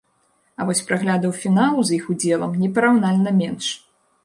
А вось праглядаў фіналу з іх удзелам непараўнальна менш.